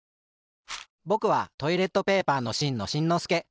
ぼくはトイレットペーパーのしんのしんのすけ。